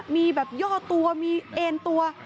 มีย่อตัวมีเอนตัว